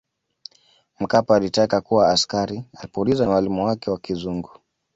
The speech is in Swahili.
Mkapa alitaka kuwa askari Alipoulizwa na mwalimu wake wa kizungu